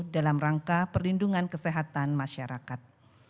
dalam rangka perlindungan kesehatan masyarakat